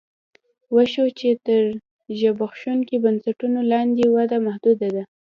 وښیو چې تر زبېښونکو بنسټونو لاندې وده محدوده ده